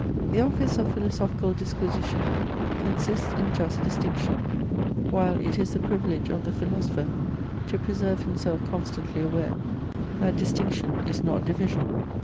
The office of philosophical disquisition consists in just distinction; while it is the privilege of the philosopher to preserve himself constantly aware, that distinction is not division.